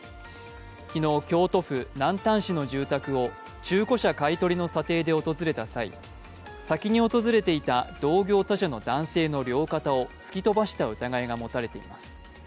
昨日、京都府南丹市の住宅を中古車買い取りの査定で訪れた際、先に訪れていた同業他社の男性の両肩を突き飛ばした疑いが持たれています。